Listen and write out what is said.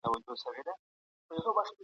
ایا نوي کروندګر بادام اخلي؟